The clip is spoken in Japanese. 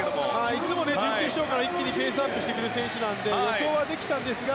いつも準決勝から一気にペースアップしてくる選手なので予想はできたんですが